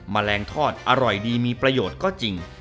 แมลงทอดอร่อยดีมีประโยชน์ก็จริง